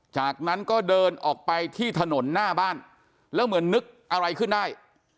จากนั้นก็เดินออกไปที่ถนนหน้าบ้านแล้วเหมือนนึกอะไรขึ้นได้